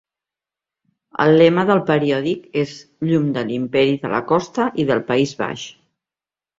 El lema del periòdic és "Llum de l'Imperi de la costa i del País baix".